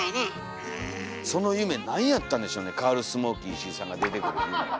その夢なんやったんでしょうねカールスモーキー石井さんが出てくる夢。